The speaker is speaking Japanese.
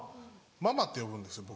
「ママ」って呼ぶんですよ